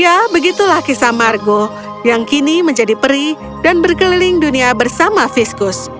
ya begitulah kisah margo yang kini menjadi peri dan berkeliling dunia bersama viskus